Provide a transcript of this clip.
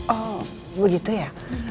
oh begitu ya